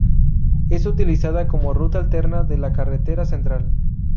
Es utilizada como ruta alterna de la Carretera Central.